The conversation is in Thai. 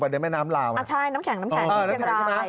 ไปในแม่น้ำลาวอ่าใช่น้ำแข็งน้ำแข็ง